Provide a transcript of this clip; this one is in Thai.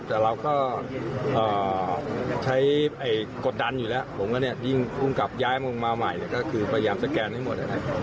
หรือบิโดยส่วนนิวยังเติบตะหนกกันไปไหนไม่มี